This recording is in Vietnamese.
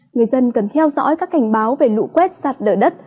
người dân cần theo dõi các cảnh báo về lũ quét sạt lở đất